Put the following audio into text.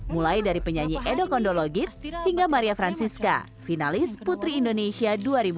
mulai dari penyanyi edo kondologit hingga maria francisca finalis putri indonesia dua ribu empat belas